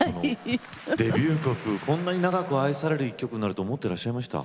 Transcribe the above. デビュー曲こんなに長く愛される一曲になると思ってらっしゃいました？